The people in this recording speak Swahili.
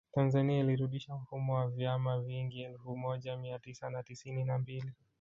Tanzania ilirudisha mfumo wa vyama vingi elfu moja Mia tisa na tisini na mbili